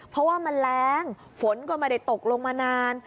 เพราะว่ามันแรงฝนก็ไม่ได้ตกลงมานาน